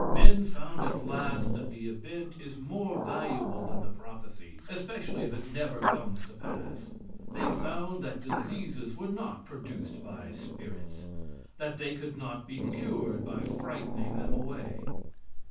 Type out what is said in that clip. Men found at last that the event is more valuable than the prophecy, especially if it never comes to pass. They found that diseases were not produced by spirits; that they could not be cured by frightening them away.